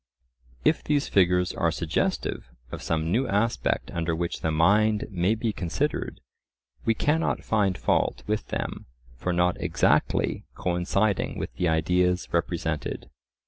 If these figures are suggestive of some new aspect under which the mind may be considered, we cannot find fault with them for not exactly coinciding with the ideas represented.